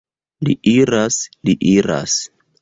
Li iras, li iras!